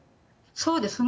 そうですね。